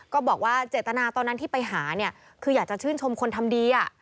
ก็บอกว่าเจตนาตอนนั้นที่ไปหาเนี่ยคืออยากจะชื่นชมคนทำดี